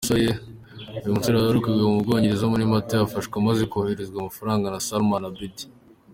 Uyu musore waherukaga mu Bwongereza muri Mata yafashwe amaze kohererezwa amafaranga na Salman Abedi.